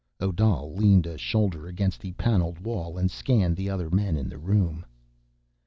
Odal leaned a shoulder against the paneled wall and scanned the other men in the room.